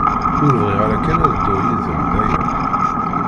Ur bɣiɣ ara kan ad dduɣ yid-m, d aya.